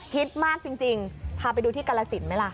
ฮิตมากจริงพาไปดูที่กรสินไหมล่ะ